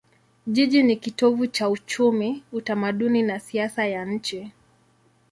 Jiji ni kitovu cha uchumi, utamaduni na siasa ya nchi.